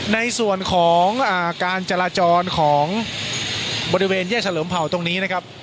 ในส่วนของการจราจรของบริเวณแยกเฉลิมเผ่าตรงนี้นะครับ